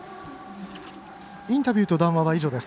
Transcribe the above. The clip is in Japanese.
インタビューと談話は以上です。